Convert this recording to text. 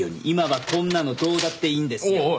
今はこんなのどうだっていいんですよ。